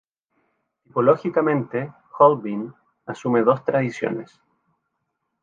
Tipológicamente, Holbein asume dos tradiciones.